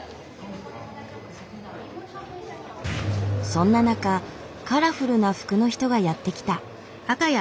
そんな中カラフルな服の人がやって来た。